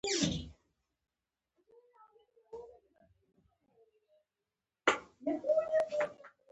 پلار یې په لومړۍ نړۍواله جګړه کې وژل شوی و